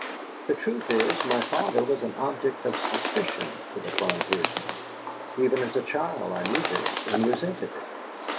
The truth is, my father was an object of suspicion to the frontiersmen. Even as a child I knew this, and resented it.